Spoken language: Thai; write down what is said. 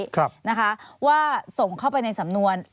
ครับนะคะว่าส่งเข้าไปในสำนวน